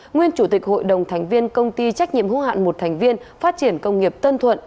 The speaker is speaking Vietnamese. nguyên chủ tịch hội đồng thành viên công ty trách nhiệm hữu hạn một thành viên phát triển công nghiệp tân thuận